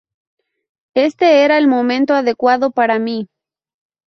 Este era el momento adecuado para mí.